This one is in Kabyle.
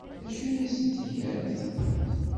D acu ay asen-tgamt?